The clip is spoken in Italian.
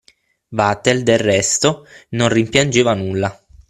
Vatel, del resto, non rimpiangeva nulla.